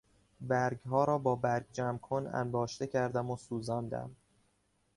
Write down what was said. برگها را با برگ جمع کن انباشته کردم و سوزاندم.